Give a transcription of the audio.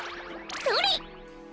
それ！